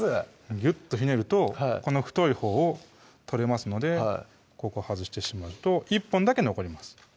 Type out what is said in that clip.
ギュッとひねるとこの太い方を取れますのでここ外してしまうと１本だけ残ります